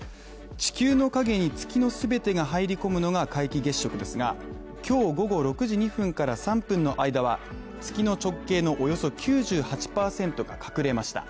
地球の影に月の全てが入り込むのが皆既月食ですが、今日午後６時２分から３分の間は、月の直径のおよそ９８％隠れました。